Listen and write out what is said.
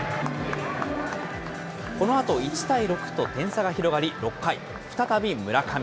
このあと、１対６と点差が広がり６回、再び村上。